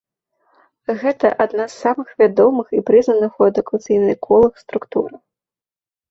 Гэта адна з самых вядомых і прызнаных у адукацыйных колах структур.